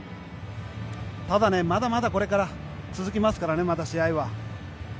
ただね、まだまだこれから続きますからねまだ試合は。